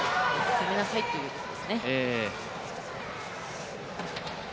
攻めなさいというところですね。